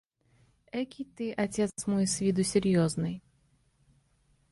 – Экий ты, отец мой, с виду серьезный!